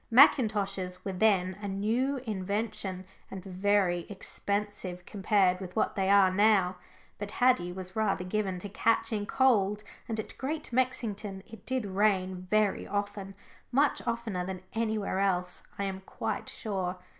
Mackintoshes were then a new invention, and very expensive compared with what they are now. But Haddie was rather given to catching cold, and at Great Mexington it did rain very often much oftener than anywhere else, I am quite sure.